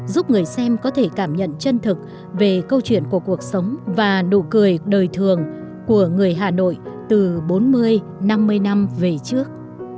giúp người xem có thể cảm nhận chân thực về câu chuyện của cuộc sống và nụ cười đời thường của người hà nội từ bốn mươi năm mươi năm về trước